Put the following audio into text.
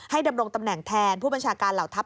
ดำรงตำแหน่งแทนผู้บัญชาการเหล่าทัพ